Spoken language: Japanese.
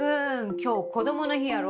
今日こどもの日やろ？